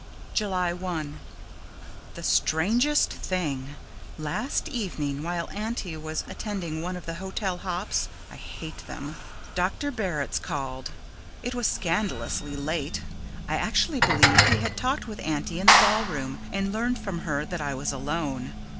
July 1 The strangest thing! Last evening while Auntie was attending one of the hotel hops (I hate them) Dr. Barritz called. It was scandalously late I actually believe he had talked with Auntie in the ballroom, and learned from her that I was alone.